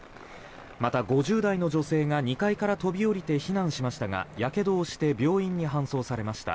また５０代の女性が２階から飛び降りて避難しましたがやけどをして病院に搬送されました。